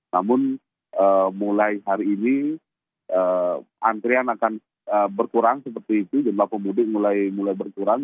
namun mulai hari ini antrian akan berkurang seperti itu jumlah pemudik mulai berkurang